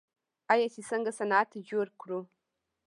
آیا چې څنګه صنعت جوړ کړو؟